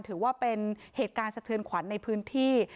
ถือว่าเป็นเหตุการณ์สะเทือนขวัญในพื้นที่